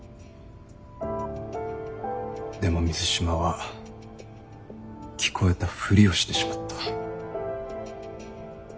でも水島は聞こえたふりをしてしまった。